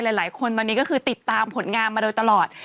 และก็ติดตามผลงานมาโดยตลอด